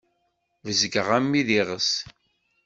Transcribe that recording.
Bezgeɣ armi d iɣes.